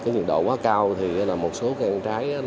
nhiệt độ quá cao thì một số cây trái